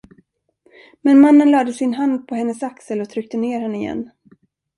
Men mannen lade sin hand på hennes axel och tryckte ner henne igen.